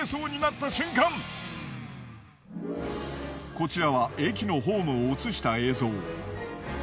こちらは駅のホームを映した映像。